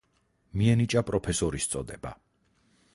მიენიჭა პროფესორის წოდება.